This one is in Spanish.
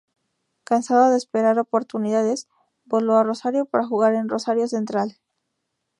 Cansado de esperar oportunidades, voló a Rosario para jugar en Rosario Central.